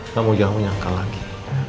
kamu jangan menyangka lagi